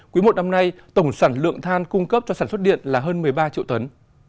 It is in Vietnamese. quý một năm nay tổng sản lượng than cung cấp cho sản xuất điện là hơn một mươi ba triệu tấn